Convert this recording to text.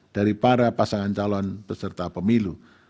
dari para pasangan calon peserta pemilu